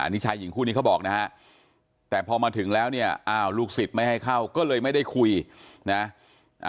นี่ชายหญิงคู่นี้เขาบอกนะฮะแต่พอมาถึงแล้วเนี่ยอ้าวลูกศิษย์ไม่ให้เข้าก็เลยไม่ได้คุยนะ